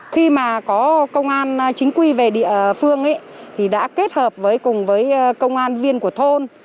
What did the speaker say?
khi mà có công an chính quy về địa phương thì đã kết hợp với cùng với công an viên của thôn